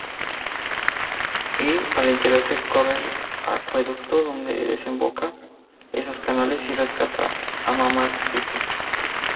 Phil al enterarse corre al acueducto donde desemboca esos canales y rescata a Marmaduke.